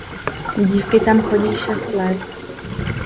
Dívky tam chodí šest let.